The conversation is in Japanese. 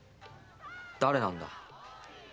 誰なんだい？